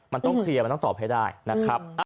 มันต้องเคลียร์มันต้องตอบให้ได้นะครับ